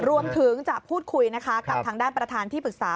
รวมถึงจะพูดคุยนะคะกับทางด้านประธานที่ปรึกษา